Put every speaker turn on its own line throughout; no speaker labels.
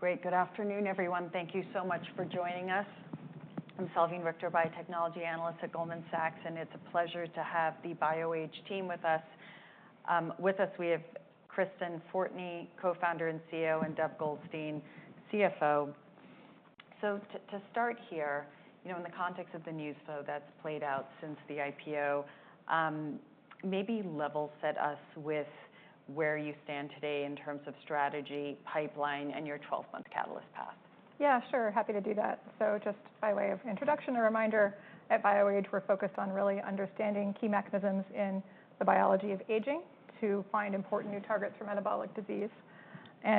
Great. Good afternoon, everyone. Thank you so much for joining us. I'm Selvine Richter, biotechnology analyst at Goldman Sachs, and it's a pleasure to have the BioAge team with us. With us, we have Kristen Fortney, co-founder and CEO, and Dov Goldstein, CFO. To start here, you know, in the context of the news flow that's played out since the IPO, maybe level set us with where you stand today in terms of strategy, pipeline, and your 12-month catalyst path.
Yeah, sure. Happy to do that. Just by way of introduction, a reminder at BioAge, we're focused on really understanding key mechanisms in the biology of aging to find important new targets for metabolic disease.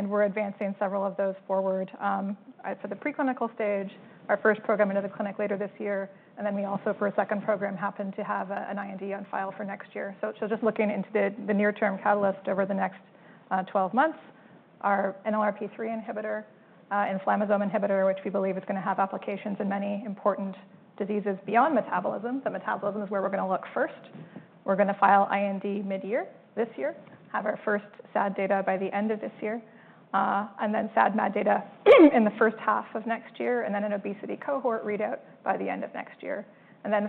We're advancing several of those forward from the preclinical stage, our first program into the clinic later this year, and we also, for a second program, happen to have an IND on file for next year. It's just looking into the near-term catalyst over the next 12 months. Our NLRP3 inhibitor and inflammasome inhibitor, which we believe is going to have applications in many important diseases beyond metabolism. Metabolism is where we're going to look first. We're going to file IND mid-year this year, have our first SAD data by the end of this year, and then SAD/MAD data in the first half of next year, and then an obesity cohort readout by the end of next year.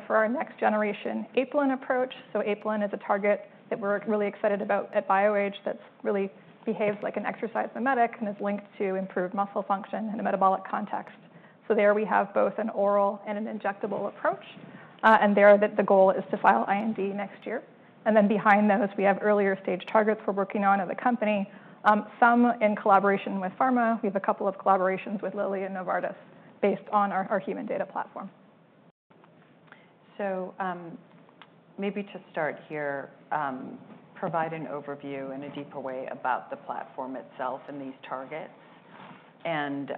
For our next-generation apelin approach, apelin is a target that we're really excited about at BioAge that really behaves like an exercise mimetic and is linked to improved muscle function in a metabolic context. There we have both an oral and an injectable approach, and the goal is to file IND next year. Behind those, we have earlier-stage targets we're working on as a company, some in collaboration with pharma. We have a couple of collaborations with Lilly and Novartis based on our human data platform.
Maybe to start here, provide an overview in a deeper way about the platform itself and these targets, and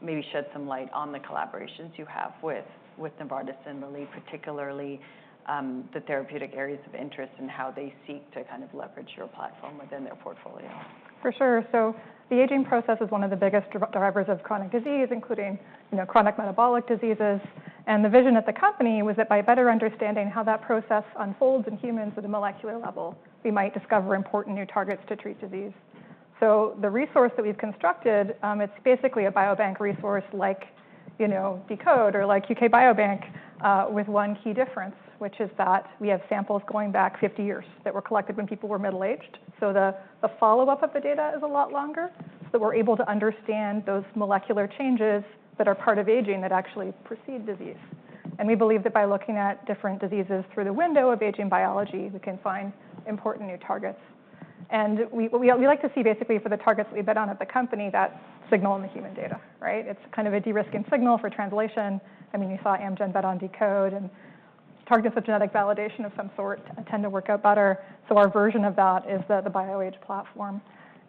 maybe shed some light on the collaborations you have with Novartis and Lilly, particularly the therapeutic areas of interest and how they seek to kind of leverage your platform within their portfolio.
For sure. The aging process is one of the biggest drivers of chronic disease, including chronic metabolic diseases. The vision at the company was that by better understanding how that process unfolds in humans at a molecular level, we might discover important new targets to treat disease. The resource that we've constructed, it's basically a biobank resource like deCODE or like UK Biobank, with one key difference, which is that we have samples going back 50 years that were collected when people were middle-aged. The follow-up of the data is a lot longer, so that we're able to understand those molecular changes that are part of aging that actually precede disease. We believe that by looking at different diseases through the window of aging biology, we can find important new targets. We like to see basically for the targets we bet on at the company that signal in the human data, right? It's kind of a de-risking signal for translation. I mean, you saw Amgen bet on deCODE, and targets with genetic validation of some sort tend to work out better. Our version of that is the BioAge platform.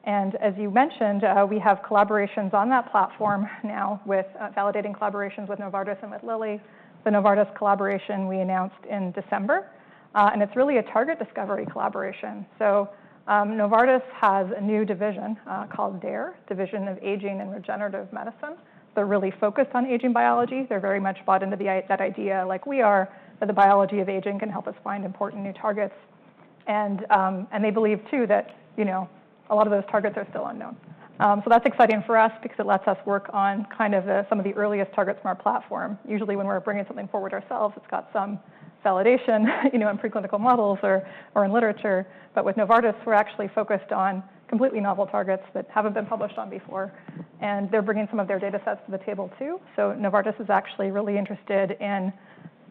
As you mentioned, we have collaborations on that platform now with validating collaborations with Novartis and with Lilly. The Novartis collaboration we announced in December, and it's really a target discovery collaboration. Novartis has a new division called DARE, Division of Aging and Regenerative Medicine. They're really focused on aging biology. They're very much bought into that idea like we are, that the biology of aging can help us find important new targets. They believe, too, that a lot of those targets are still unknown. That's exciting for us because it lets us work on kind of some of the earliest targets from our platform. Usually, when we're bringing something forward ourselves, it's got some validation in preclinical models or in literature. With Novartis, we're actually focused on completely novel targets that haven't been published on before. They're bringing some of their data sets to the table, too. Novartis is actually really interested in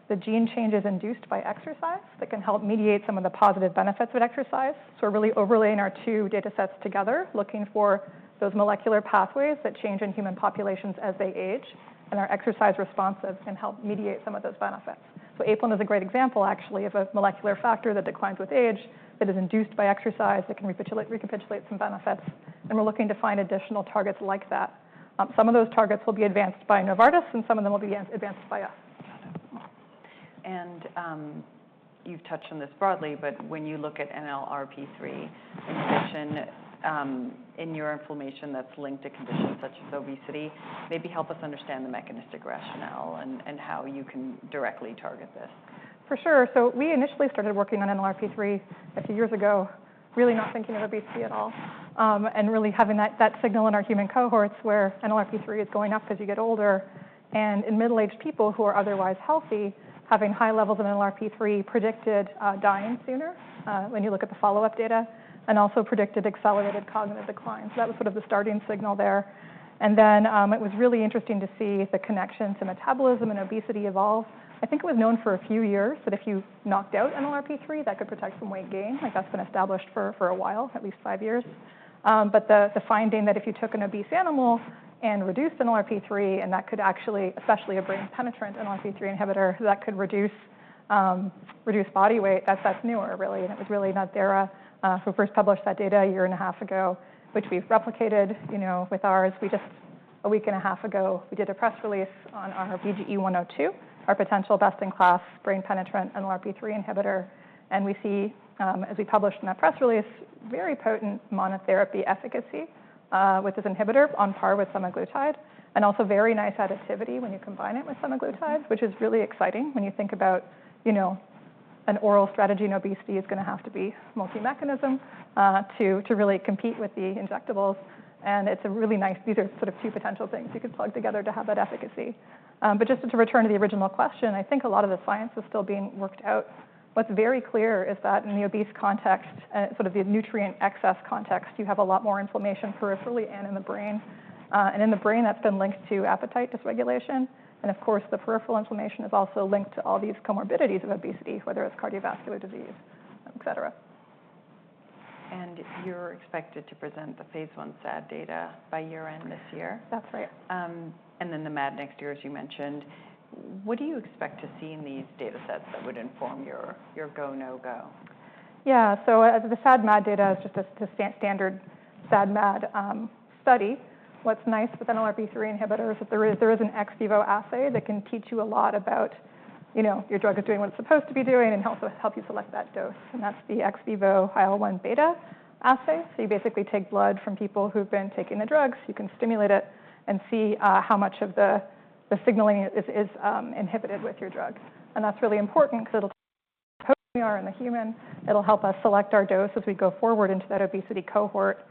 the gene changes induced by exercise that can help mediate some of the positive benefits of exercise. We're really overlaying our two data sets together, looking for those molecular pathways that change in human populations as they age, and our exercise responses can help mediate some of those benefits. Apelin is a great example, actually, of a molecular factor that declines with age that is induced by exercise that can recapitulate some benefits. We're looking to find additional targets like that. Some of those targets will be advanced by Novartis, and some of them will be advanced by us.
You've touched on this broadly, but when you look at NLRP3 inhibition in your inflammation that's linked to conditions such as obesity, maybe help us understand the mechanistic rationale and how you can directly target this.
For sure. We initially started working on NLRP3 a few years ago, really not thinking of obesity at all, and really having that signal in our human cohorts where NLRP3 is going up as you get older. In middle-aged people who are otherwise healthy, having high levels of NLRP3 predicted dying sooner when you look at the follow-up data, and also predicted accelerated cognitive decline. That was sort of the starting signal there. It was really interesting to see the connection to metabolism and obesity evolve. I think it was known for a few years that if you knocked out NLRP3, that could protect from weight gain. That has been established for a while, at least five years. The finding that if you took an obese animal and reduced NLRP3, and that could actually, especially a brain-penetrant NLRP3 inhibitor, that could reduce body weight, that's newer, really. It was really Nodthera who first published that data a year and a half ago, which we've replicated with ours. We just, a week and a half ago, did a press release on our BGE-102, our potential best-in-class brain-penetrant NLRP3 inhibitor. We see, as we published in that press release, very potent monotherapy efficacy with this inhibitor on par with semaglutide, and also very nice additivity when you combine it with semaglutide, which is really exciting when you think about an oral strategy in obesity is going to have to be a multi-mechanism to really compete with the injectables. It's a really nice--these are sort of two potential things you could plug together to have that efficacy. Just to return to the original question, I think a lot of the science is still being worked out. What's very clear is that in the obese context, sort of the nutrient excess context, you have a lot more inflammation peripherally and in the brain. In the brain, that's been linked to appetite dysregulation. Of course, the peripheral inflammation is also linked to all these comorbidities of obesity, whether it's cardiovascular disease, et cetera.
You're expected to present the phase I SAD data by year-end this year.
That's right.
The MAD next year, as you mentioned. What do you expect to see in these data sets that would inform your go/no-go?
Yeah. The SAD/MAD data is just a standard SAD/MAD study. What's nice with NLRP3 inhibitors is there is an ex vivo assay that can teach you a lot about your drug is doing what it's supposed to be doing and also help you select that dose. That's the ex vivo IL-1 beta assay. You basically take blood from people who've been taking the drugs. You can stimulate it and see how much of the signaling is inhibited with your drug. That's really important because it'll tell us where we are in the human. It'll help us select our dose as we go forward into that obesity cohort.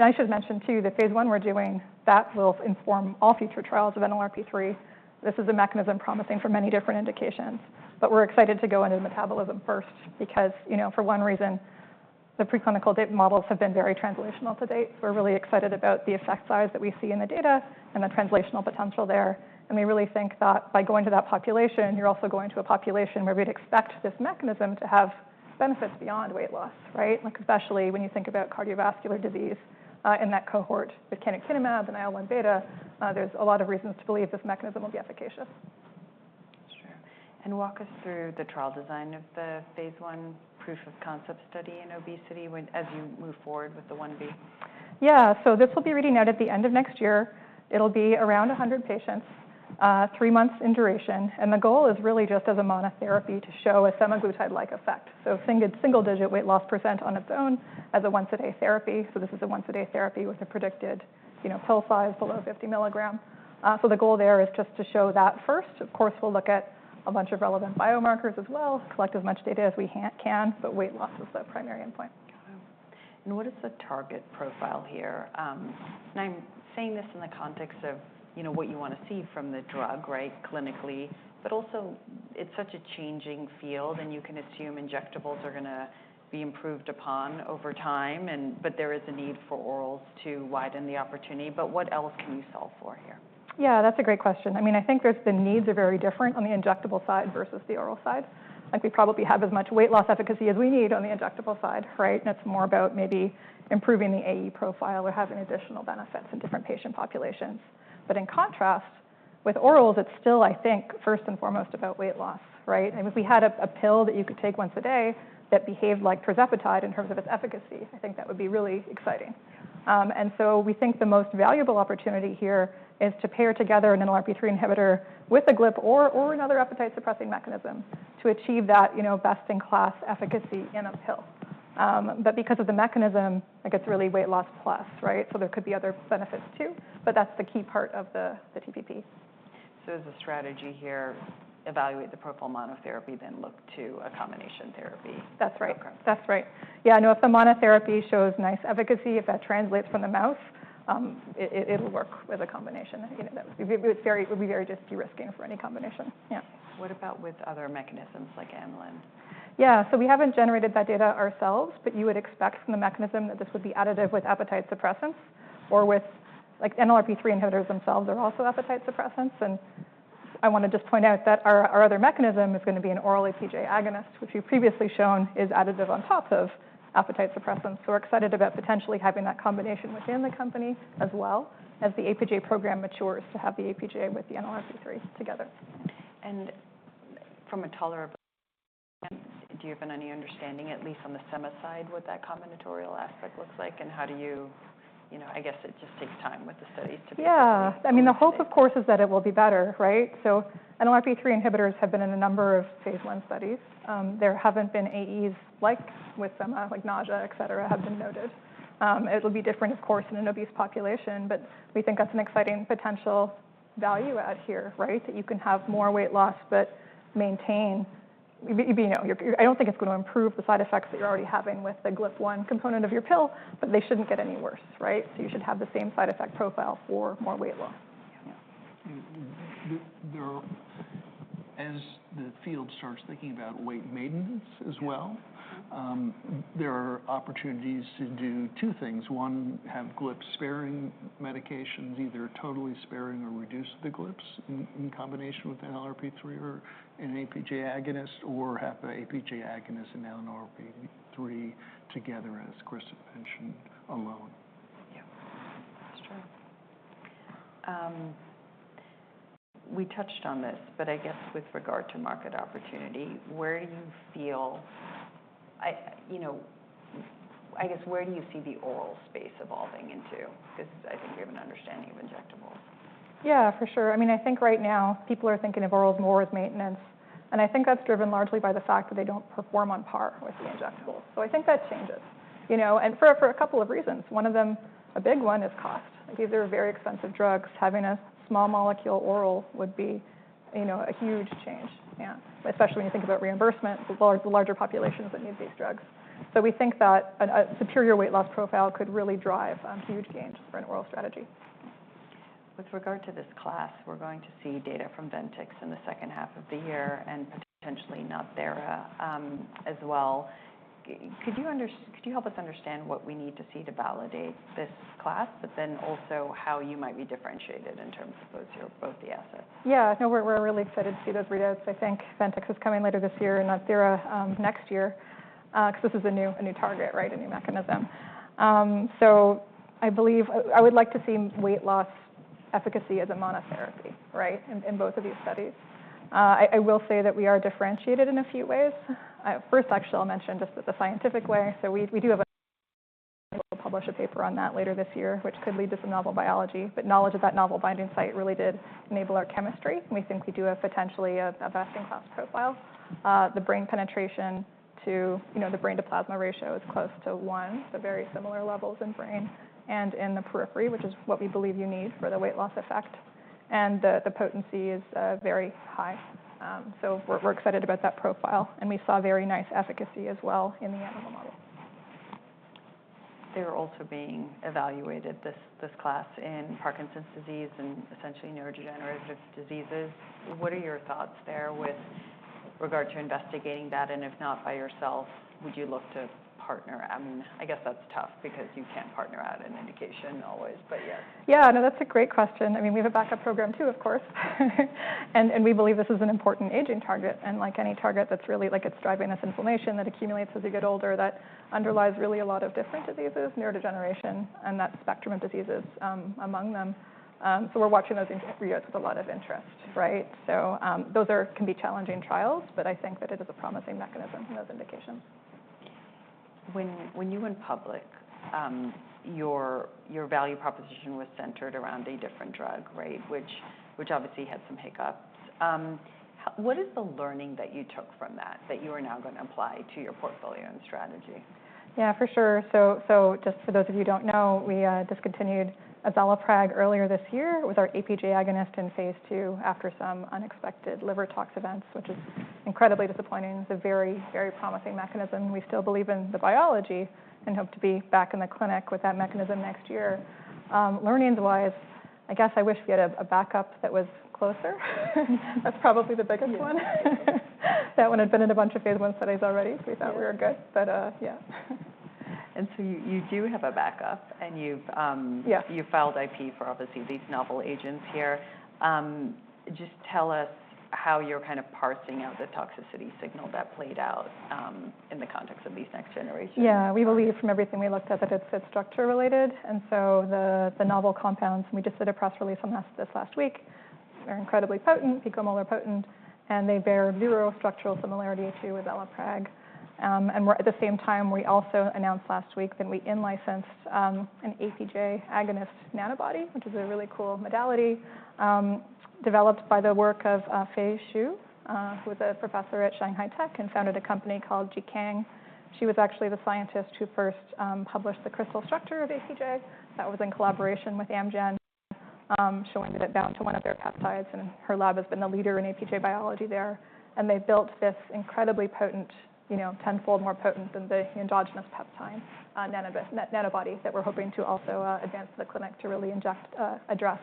I should mention, too, that phase one we're doing, that will inform all future trials of NLRP3. This is a mechanism promising for many different indications. We're excited to go into the metabolism first because, for one reason, the preclinical models have been very translational to date. We're really excited about the effect size that we see in the data and the translational potential there. We really think that by going to that population, you're also going to a population where we'd expect this mechanism to have benefits beyond weight loss, right? Especially when you think about cardiovascular disease in that cohort with canakinumab and IL-1 beta, there's a lot of reasons to believe this mechanism will be efficacious.
Sure. Walk us through the trial design of the phase one proof of concept study in obesity as you move forward with the 1B.
Yeah. This will be reading out at the end of next year. It'll be around 100 patients, three months in duration. The goal is really just as a monotherapy to show a semaglutide-like effect. Single-digit weight loss % on its own as a once-a-day therapy. This is a once-a-day therapy with a predicted pill size below 50 mg. The goal there is just to show that first. Of course, we'll look at a bunch of relevant biomarkers as well, collect as much data as we can, but weight loss is the primary endpoint.
What is the target profile here? I'm saying this in the context of what you want to see from the drug, right, clinically, but also it's such a changing field, and you can assume injectables are going to be improved upon over time, but there is a need for orals to widen the opportunity. What else can you solve for here?
Yeah, that's a great question. I mean, I think the needs are very different on the injectable side versus the oral side. We probably have as much weight loss efficacy as we need on the injectable side, right? It's more about maybe improving the AE profile or having additional benefits in different patient populations. In contrast with orals, it's still, I think, first and foremost about weight loss, right? If we had a pill that you could take once a day that behaved like tirzepatide in terms of its efficacy, I think that would be really exciting. We think the most valuable opportunity here is to pair together an NLRP3 inhibitor with a GLP-1 or another appetite-suppressing mechanism to achieve that best-in-class efficacy in a pill. Because of the mechanism, it's really weight loss plus, right? There could be other benefits, too, but that's the key part of the TPP.
Is the strategy here, evaluate the profile monotherapy, then look to a combination therapy?
That's right. That's right. Yeah, no, if the monotherapy shows nice efficacy, if that translates from the mouse, it'll work with a combination. It would be very just de-risking for any combination. Yeah.
What about with other mechanisms like amylin?
Yeah. We have not generated that data ourselves, but you would expect from the mechanism that this would be additive with appetite suppressants, or with NLRP3 inhibitors themselves are also appetite suppressants. I want to just point out that our other mechanism is going to be an oral APJ agonist, which we have previously shown is additive on top of appetite suppressants. We are excited about potentially having that combination within the company as well as the APJ program matures to have the APJ with the NLRP3 together.
From a tolerability standpoint, do you have any understanding, at least on the sema side, what that combinatorial aspect looks like? How do you--I guess it just takes time with the studies to be able to.
Yeah. I mean, the hope, of course, is that it will be better, right? NLRP3 inhibitors have been in a number of phase one studies. There have not been AEs like with sema, like nausea, et cetera, have been noted. It will be different, of course, in an obese population, but we think that is an exciting potential value add here, right, that you can have more weight loss but maintain. I do not think it is going to improve the side effects that you are already having with the GLP-1-1 component of your pill, but they should not get any worse, right? You should have the same side effect profile for more weight loss.
As the field starts thinking about weight maintenance as well, there are opportunities to do two things. One, have GLP-1-sparing medications, either totally sparing or reduce the GLP-1s in combination with NLRP3 or an APJ agonist, or have the APJ agonist and NLRP3 together, as Kristen mentioned, alone.
Yeah. That's true.
We touched on this, but I guess with regard to market opportunity, where do you feel—I guess, where do you see the oral space evolving into? Because I think we have an understanding of injectables.
Yeah, for sure. I mean, I think right now people are thinking of orals more as maintenance. I think that's driven largely by the fact that they don't perform on par with the injectables. I think that changes. For a couple of reasons. One of them, a big one, is cost. These are very expensive drugs. Having a small molecule oral would be a huge change, especially when you think about reimbursement for the larger populations that need these drugs. We think that a superior weight loss profile could really drive huge gains for an oral strategy.
With regard to this class, we're going to see data from Ventyx in the second half of the year and potentially Nodthera as well. Could you help us understand what we need to see to validate this class, but then also how you might be differentiated in terms of both the assets?
Yeah. No, we're really excited to see those readouts. I think Ventyx is coming later this year and Nodthera next year because this is a new target, right, a new mechanism. I believe I would like to see weight loss efficacy as a monotherapy, right, in both of these studies. I will say that we are differentiated in a few ways. First, actually, I'll mention just the scientific way. We do have a—we'll publish a paper on that later this year, which could lead to some novel biology. Knowledge of that novel binding site really did enable our chemistry. We think we do have potentially a best-in-class profile. The brain penetration to the brain-to-plasma ratio is close to 1, so very similar levels in brain and in the periphery, which is what we believe you need for the weight loss effect. The potency is very high. We're excited about that profile. We saw very nice efficacy as well in the animal model.
They're also being evaluated, this class, in Parkinson's disease and essentially neurodegenerative diseases. What are your thoughts there with regard to investigating that? If not by yourself, would you look to partner? I mean, I guess that's tough because you can't partner out an indication always, but yes.
Yeah. No, that's a great question. I mean, we have a backup program, too, of course. We believe this is an important aging target. Like any target, it's really like it's driving this inflammation that accumulates as you get older that underlies really a lot of different diseases, neurodegeneration, and that spectrum of diseases among them. We're watching those readouts with a lot of interest, right? Those can be challenging trials, but I think that it is a promising mechanism for those indications.
When you went public, your value proposition was centered around a different drug, right, which obviously had some hiccups. What is the learning that you took from that that you are now going to apply to your portfolio and strategy?
Yeah, for sure. Just for those of you who do not know, we discontinued azelaprag earlier this year with our APJ agonist in phase II after some unexpected liver tox events, which is incredibly disappointing. It is a very, very promising mechanism. We still believe in the biology and hope to be back in the clinic with that mechanism next year. Learnings-wise, I guess I wish we had a backup that was closer. That is probably the biggest one. That one had been in a bunch of phase one studies already, so we thought we were good, but yeah.
You do have a backup, and you've filed IP for obviously these novel agents here. Just tell us how you're kind of parsing out the toxicity signal that played out in the context of these next generations.
Yeah. We believe from everything we looked at that it's structure-related. The novel compounds, and we just did a press release on this last week, they're incredibly potent, picomolar potent, and they bear zero structural similarity to azelaprag. At the same time, we also announced last week that we in-licensed an APJ agonist nanobody, which is a really cool modality developed by the work of Fei Xu, who was a professor at ShanghaiTech and founded a company called Jikang. She was actually the scientist who first published the crystal structure of APJ. That was in collaboration with Amgen showing that it bound to one of their peptides. Her lab has been the leader in APJ biology there. They built this incredibly potent, tenfold more potent than the endogenous peptide nanobody that we're hoping to also advance to the clinic to really address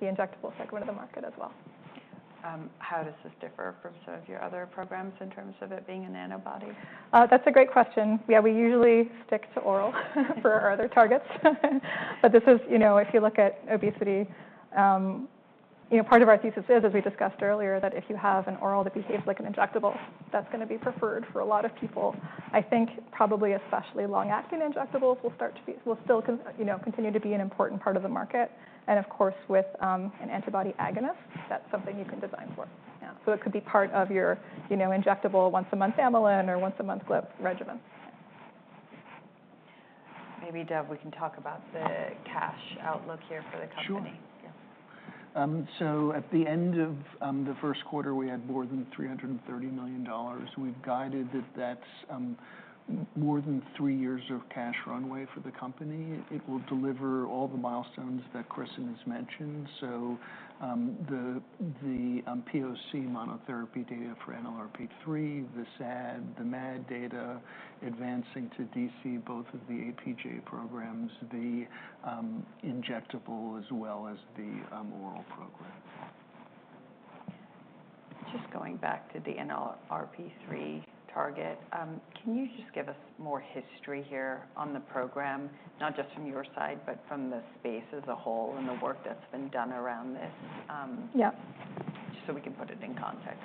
the injectable segment of the market as well.
How does this differ from some of your other programs in terms of it being a nanobody?
That's a great question. Yeah, we usually stick to oral for our other targets. This is, if you look at obesity, part of our thesis is, as we discussed earlier, that if you have an oral that behaves like an injectable, that's going to be preferred for a lot of people. I think probably especially long-acting injectables will still continue to be an important part of the market. Of course, with an antibody agonist, that's something you can design for. It could be part of your injectable once-a-month amylin or once-a-month GLP-1 regimen.
Maybe, Dov, we can talk about the cash outlook here for the company.
Sure. At the end of the first quarter, we had more than $330 million. We've guided that that's more than three years of cash runway for the company. It will deliver all the milestones that Kristen has mentioned. The POC monotherapy data for NLRP3, the SAD, the MAD data, advancing to DC both of the APJ programs, the injectable, as well as the oral program.
Just going back to the NLRP3 target, can you just give us more history here on the program, not just from your side, but from the space as a whole and the work that's been done around this?
Yeah.
Just so we can put it in context.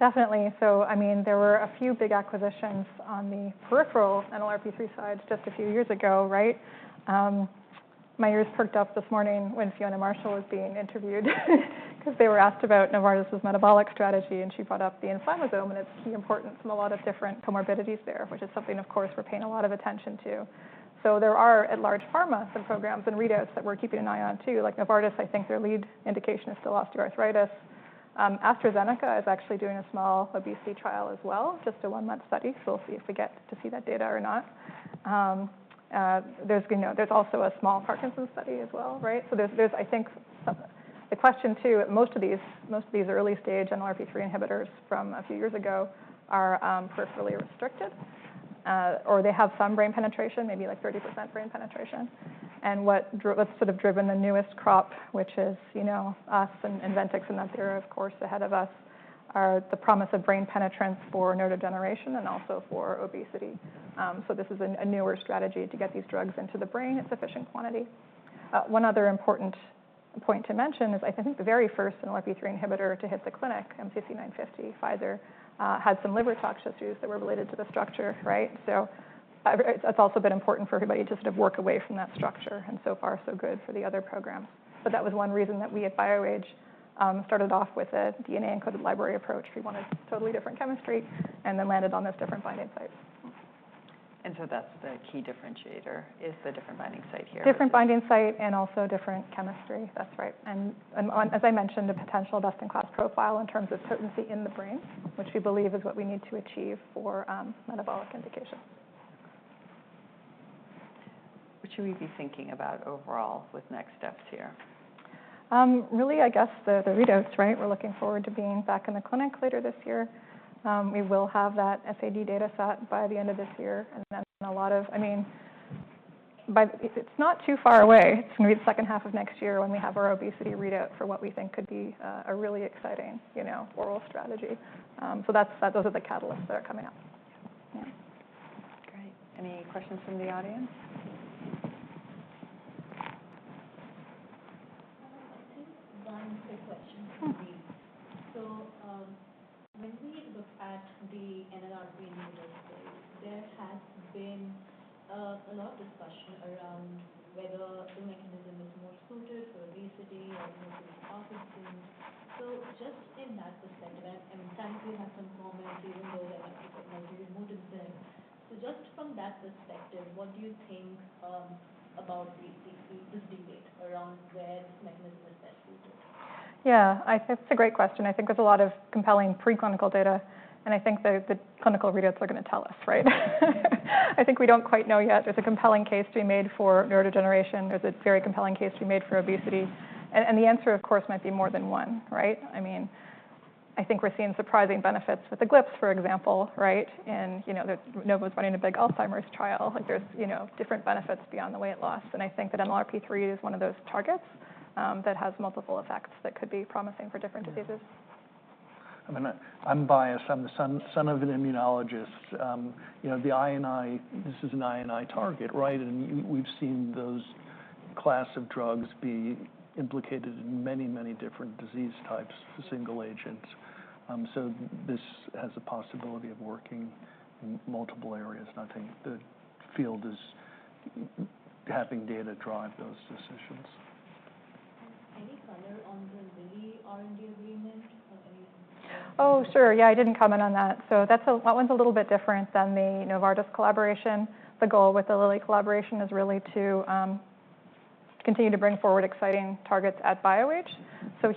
Definitely. I mean, there were a few big acquisitions on the peripheral NLRP3 side just a few years ago, right? My ears perked up this morning when Fiona Marshall was being interviewed because they were asked about Novartis's metabolic strategy, and she brought up the inflammasome, and its key importance in a lot of different comorbidities there, which is something, of course, we're paying a lot of attention to. There are at large pharma some programs and readouts that we're keeping an eye on, too. Like Novartis, I think their lead indication is still osteoarthritis. AstraZeneca is actually doing a small obesity trial as well, just a one-month study. We'll see if we get to see that data or not. There's also a small Parkinson's study as well, right? I think the question, too, most of these early-stage NLRP3 inhibitors from a few years ago are peripherally restricted, or they have some brain penetration, maybe like 30% brain penetration. What's sort of driven the newest crop, which is us and Ventyx and Nodthera, of course, ahead of us, are the promise of brain penetrance for neurodegeneration and also for obesity. This is a newer strategy to get these drugs into the brain at sufficient quantity. One other important point to mention is I think the very first NLRP3 inhibitor to hit the clinic, MCC950, Pfizer, had some liver tox issues that were related to the structure, right? That's also been important for everybody to sort of work away from that structure. So far, so good for the other programs. That was one reason that we at BioAge started off with a DNA-encoded library approach. We wanted totally different chemistry and then landed on this different binding site.
That's the key differentiator, is the different binding site here.
Different binding site and also different chemistry. That's right. And as I mentioned, a potential best-in-class profile in terms of potency in the brain, which we believe is what we need to achieve for metabolic indication.
What should we be thinking about overall with next steps here?
Really, I guess the readouts, right? We're looking forward to being back in the clinic later this year. We will have that SAD data set by the end of this year. I mean, it's not too far away. It's going to be the second half of next year when we have our obesity readout for what we think could be a really exciting oral strategy. Those are the catalysts that are coming up.
Great. Any questions from the audience? I think one quick question for me. When we look at the NLRP3 inhibitors, there has been a lot of discussion around whether the mechanism is more suited for obesity or more suited for Parkinson's. Just in that perspective, and I'm trying to have some comments even though there are multiple motives there. Just from that perspective, what do you think about this debate around where this mechanism is best suited?
Yeah. That's a great question. I think there's a lot of compelling preclinical data. I think the clinical readouts are going to tell us, right? I think we do not quite know yet. There's a compelling case to be made for neurodegeneration. There's a very compelling case to be made for obesity. The answer, of course, might be more than one, right? I mean, I think we're seeing surprising benefits with the GLP-1s, for example, right? Novo is running a big Alzheimer's trial. There are different benefits beyond the weight loss. I think that NLRP3 is one of those targets that has multiple effects that could be promising for different diseases.
I'm unbiased. I'm the son of an immunologist. This is an I&I target, right? We've seen those class of drugs be implicated in many, many different disease types for single agents. This has the possibility of working in multiple areas. I think the field is having data drive those decisions. Any comment on the Lilly R&D Agreement?
Oh, sure. Yeah, I didn't comment on that. That one's a little bit different than the Novartis collaboration. The goal with the Lilly collaboration is really to continue to bring forward exciting targets at BioAge.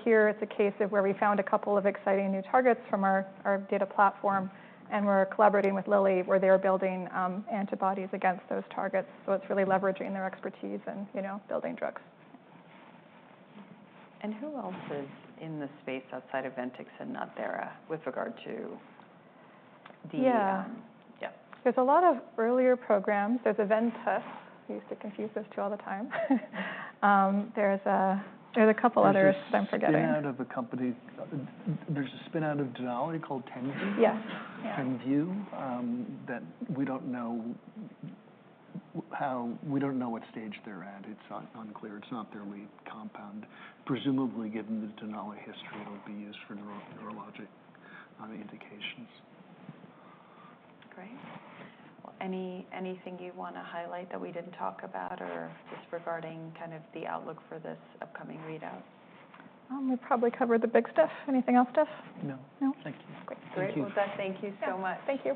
Here, it's a case of where we found a couple of exciting new targets from our data platform. We're collaborating with Lilly, where they're building antibodies against those targets. It's really leveraging their expertise and building drugs. Who else is in the space outside of Ventyx and Nodthera with regard to the? There's a lot of earlier programs. There's Eventus. We used to confuse those two all the time. There's a couple others that I'm forgetting.
There's a spin-out of a company. There's a spin-out of Denali called Tenvie?
Yes.
Tenvie that we don't know how, we don't know what stage they're at. It's unclear. It's not their lead compound. Presumably, given the Denali history, it'll be used for neurologic indications.
Great. Anything you want to highlight that we didn't talk about or just regarding kind of the outlook for this upcoming readout?
We probably covered the big stuff. Anything else, Dov?
No.
No.
Thank you.
Great.
Thank you.
Thank you so much. Thank you.